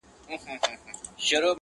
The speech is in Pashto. که د خولې مهر په حلوا مات کړي-